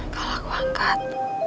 kalau aku angkat